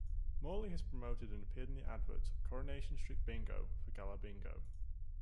Morley has promoted and appeared in the adverts "Coronation Street" Bingo for Gala Bingo.